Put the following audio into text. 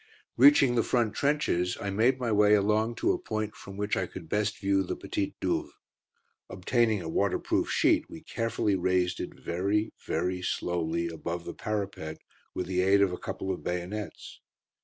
Reaching the front trenches, I made my way along to a point from which I could best view the Petite Douve. Obtaining a waterproof sheet we carefully raised it very, very slowly above the parapet with the aid of a couple of bayonets.